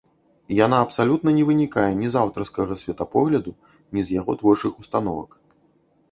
Яна абсалютна не вынікае ні з аўтарскага светапогляду, ні з яго творчых установак.